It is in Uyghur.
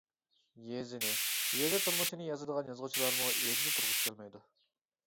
يېزىنى، يېزا تۇرمۇشىنى يازىدىغان يازغۇچىلارمۇ يېزىدا تۇرغۇسى كەلمەيدۇ.